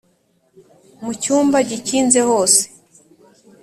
mu cyumba gikinze hose